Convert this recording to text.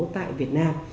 tại việt nam